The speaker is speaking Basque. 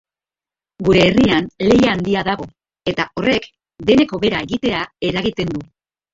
Gure herrian lehia handia dago, eta horrek denek hobera egitea eragiten du.